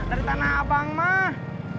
dari tanah abang mak